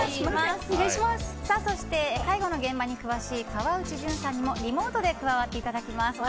そして、介護の現場に詳しい川内潤さんにもリモートで加わっていただきます。